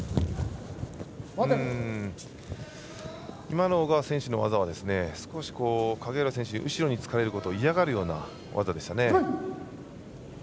今の小川選手の技は少し、影浦選手に後ろにつかれることを嫌がるような技でしたね。